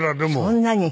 そんなに？